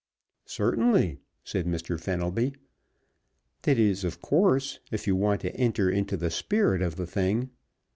"Certainly," said Mr. Fenelby. "That is, of course, if you want to enter into the spirit of the thing.